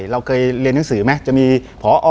เราเคยเรียนหนังสือไหมจะมีพอ